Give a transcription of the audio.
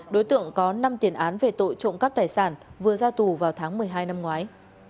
đối tượng có năm tiền án về tội trộm cắp tài sản vừa ra tù vào tháng một mươi hai năm ngoái